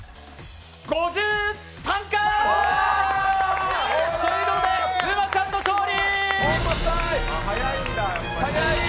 ５３回ということで沼ちゃんの勝利！